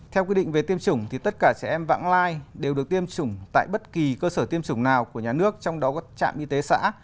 theo quy định về tiêm chủng tất cả trẻ em vãng lai đều được tiêm chủng tại bất kỳ cơ sở tiêm chủng nào của nhà nước trong đó có trạm y tế xã